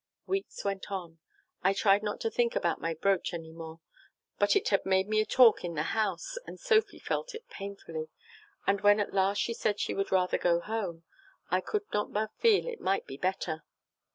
Weeks went on I tried not to think about my brooch any more, but it had made a talk in the house, and Sophy felt it painfully, and when at last she said she would rather go home, I could not but feel it might be better.